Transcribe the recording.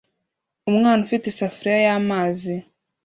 Umwana ufite isafuriya y'amazi